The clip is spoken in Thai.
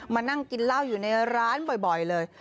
มานั่งกินเหล้าอยู่ในร้านบ่อยเลย